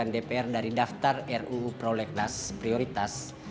dpr dari daftar ruu prolegnas prioritas